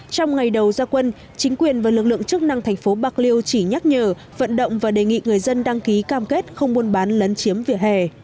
trong ngày đầu gia quân chính quyền và lực lượng chức năng thành phố bạc liêu chỉ nhắc nhở vận động và đề nghị người dân đăng ký cam kết không buôn bán lấn chiếm vỉa hè